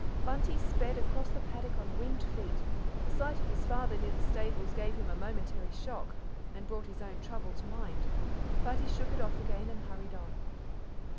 Bunty sped across the paddock on winged feet; the sight of his father near the stables gave him a momentary shock, and brought his own trouble to mind, but he shook it off again and hurried on.